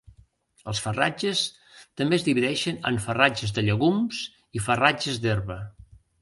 Els farratges també es divideixen en farratges de llegums i farratges d'herba.